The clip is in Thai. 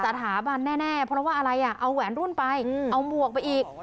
สถาบันแน่เพราะว่าอะไรอ่ะเอาแหวนรุ่นไปเอาหมวกไปอีก